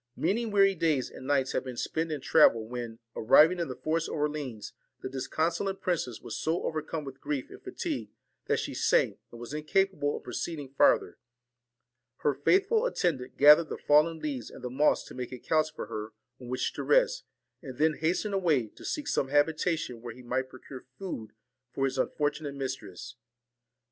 Many weary days and nights had been spent in travel, when, arriving in the forest of Orleans, the disconsolate princess was so overcome with grief and fatigue, that she sank, and was incapable of proceeding farther. Her faithful attendant gathered the fallen leaves and the moss to make a couch for her on which to rest, and then hastened away, to seek some habitation where he might procure food for his unfortunate mistress.